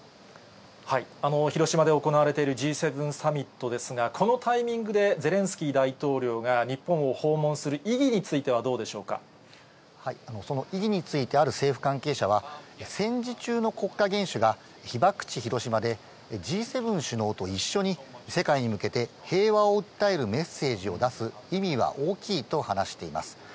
広島で行われているＧ７サミットですが、このタイミングでゼレンスキー大統領が日本を訪問する意義についその意義について、ある政府関係者は、戦時中の国家元首が、被爆地広島でＧ７首脳と一緒に世界に向けて平和を訴えるメッセージを出す意味は大きいと話しています。